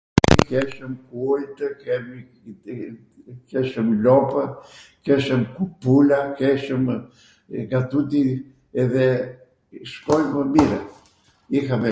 keshwm ujtw, kemi ..., keshwm lopw, keshwm pula, keshwmw nga tuti edhe shkojmw mirw.